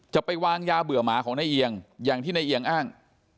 จะไปวางยาเบื่อหมาของนายเอียงอย่างที่ในเอียงอ้าง